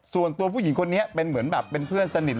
ส่วนตัวผู้หญิงคนนี้เป็นเหมือนแบบเป็นเพื่อนสนิท